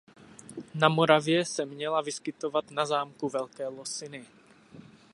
Na Moravě se měla vyskytovat na zámku Velké Losiny.